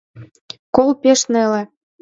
Кол пеш неле.